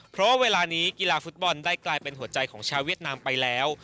เพราะเวลานี้กีฬาฟุตบอลได้กลายเป็นหัวใจของชาวเวียดนามไปแล้ว